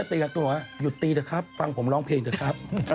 หยุดตีด้วครับฟังผมเริ่มร้องเพลงด้วครับ